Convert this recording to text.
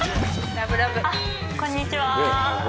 こんにちは。